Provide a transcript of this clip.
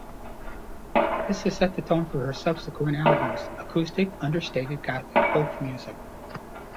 This has set the tone for her subsequent albums: acoustic understated gothic folk music.